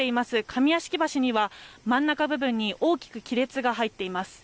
上屋敷橋には真ん中部分に大きく亀裂が入っています。